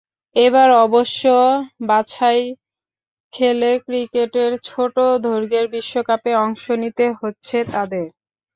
এবার অবশ্য বাছাই খেলে ক্রিকেটের ছোট দৈর্ঘ্যের বিশ্বকাপে অংশ নিতে হচ্ছে তাদের।